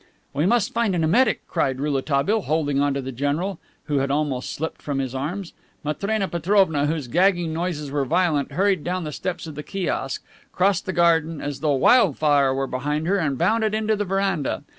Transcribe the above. "We must find an emetic," cried Rouletabille, holding on to the general, who had almost slipped from his arms. Matrena Petrovna, whose gagging noises were violent, hurried down the steps of the kiosk, crossed the garden as though wild fire were behind her, and bounded into the veranda.